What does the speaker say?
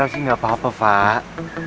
enthusiasm gak apa apa pak